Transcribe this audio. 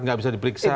nggak bisa diperiksa